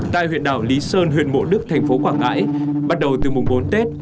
tại huyện đảo lý sơn huyện mộ đức thành phố quảng ngãi bắt đầu từ mùng bốn tết